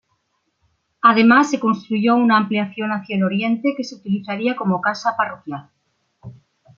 Además, se construyó una ampliación hacia el oriente que se utilizaría como casa parroquial.